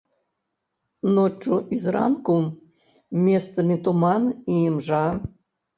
Ноччу і зранку месцамі туман і імжа.